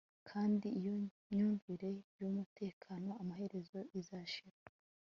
kandi iyo myumvire yumutekano amaherezo izashira